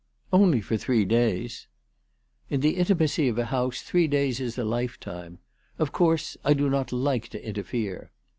" Only for three days." " In the intimacy of a house three days is a lifetime. Of course I do not like to interfere."